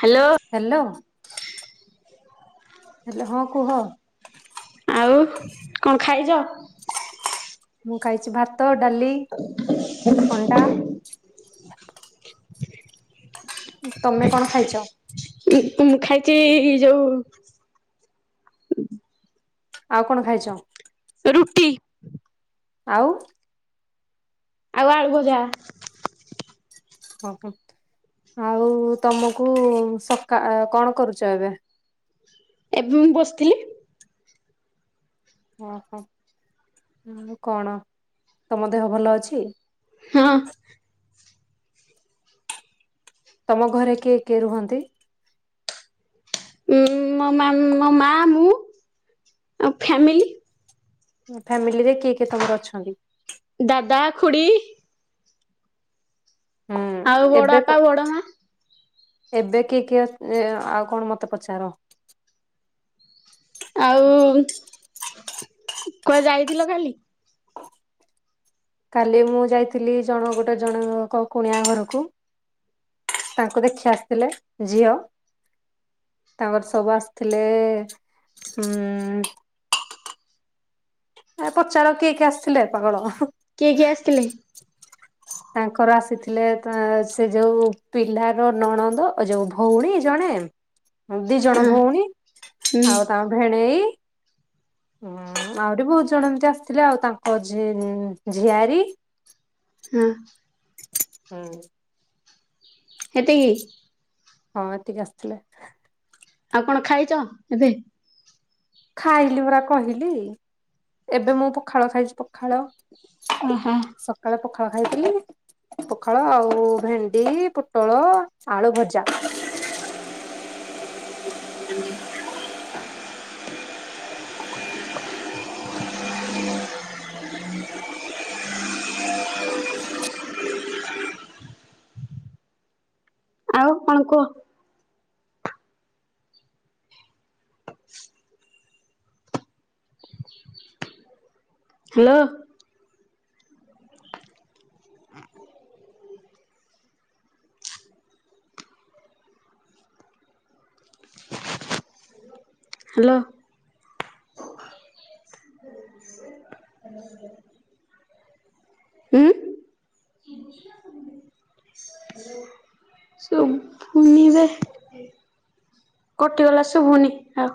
Hello. Hello ହେଲେ ହଁ କୁହ? ଆଉ କଣ ଖାଇବ? ମୁଁ ଖାଇଛି ଭାତ, ଡାଲି, ହ ଅଣ୍ଡା। [unintelligible] ତମେ କଣ ଖାଇଛ? ମୁଁ ଖାଇଛି ଯୋଉ ହୁଁ। ଆଉ କଣ ଖାଇଛ? ରୁଟି। ଆଉ ଆଉ ଆଳୁଭଜା। ଓହୋ ଆଉ ତମକୁ ସକା କଣ କରୁଛ ଏବେ? ଏବେ ମୁଁ ବସିଥିଲି। ଓହୋ ଆଉ କଣ ତମ ଦେହ ଭଲ ଅଛି। ହଁ। ତମ ଘରେ କିଏ କିଏ ରୁହନ୍ତି? ଉ ମୋ ମୋ ମା ମୁଁ ଆ ଫ୍ୟାମିଲି। ଫ୍ୟାମିଲିରେ କିଏ କିଏ ତମର ଅଛନ୍ତି? ଦାଦା ଖୁଡ଼ି ହୁଁ ଆଉ ବଡ ଏବେ ବାପା ବଡ ମା? ଏବେ କି କିଏ ଅ ଆଉ କଣ ମତେ ପଚାର? ଆଉ କୁଆଡେ ଯାଇଥିଲ କାଲି? କାଲି ମୁଁ ଯାଇଥିଲି ଜଣ ଗୋଟେ ଜଣଙ୍କ କୁଣିଆ ଘରକୁ। ତାଙ୍କୁ ଦେଖି ଆସିଥିଲେ ଝିଅ। ତାଙ୍କର ସବୁ ଆସିଥିଲେ ଉଁ ଏ ପଚାର କିଏ କିଏ ଆସିଥିଲେ ପାଗଳ। କିଏ କିଏ ଆସିଥିଲେ। ତାଙ୍କର ଆସିଥିଲେ ସେ ଯୋଉ ପିଲାର ନଣନ୍ଦ ଯୋଉ ଭଉଣୀ ଜଣେ ଦି ହଁ ଜଣ ଭଉଣୀ ହୁଁ ଆଉ ତାଙ୍କ ଭେଣେଇ। ହଁ ଆହୁରି ବହୁତ ଜଣ ଏମତି ଆସିଥିଲେ ଆଉ ତାଙ୍କ ଝି ଝିଆରୀ। ହୁଁ। ହୁଁ। ହେତିକି। ହଁମ ଏତିକି ଆସିଥିଲେ। ଆପଣ ଖାଇଛ ଏବେ। ଖାଇଲି ପରା କହିଲି। ଏବେ ମୁଁ ପଖାଳ ଖାଇଛି ପଖାଳ। ଓହୋ। ସକାଳେ ପଖାଳ ଖାଇଥିଲି। ପଖାଳ ଆଉ ଭେଣ୍ଡି, ପୋଟଳ, ଆଳୁ ଭଜା। [unintelligible] [inaudible] [inaudible] ଆଉ କଣ କୁହ। ହ [unintelligible] ହ୍ୟାଲୋ। ହ ହ୍ୟାଲୋ। ହୁଁ। ଉଁ। ସୁଭୁନି ବେ। କଟିଗଲା ଶୁଭୁନି ଆଉ।